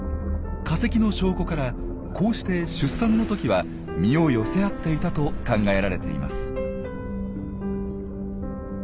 化石の証拠からこうして出産の時は身を寄せ合っていたと考えられています。